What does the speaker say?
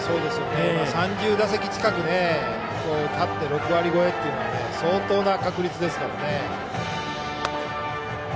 ３０打席近く立って６割超えというのは相当な確率ですからね。